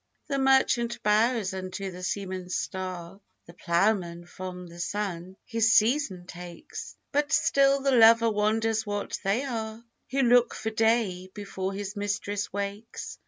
The merchant bows unto the seaman's star, The ploughman from the sun his season takes; But still the lover wonders what they are, Who look for day before his mistress wakes.